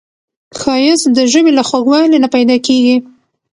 ښایست د ژبې له خوږوالي نه پیداکیږي